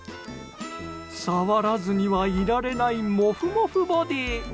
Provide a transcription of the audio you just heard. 触らずにはいられないもふもふボディー。